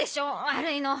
悪いの。